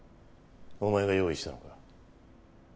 お前が用意したのか？